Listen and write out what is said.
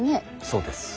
そうです。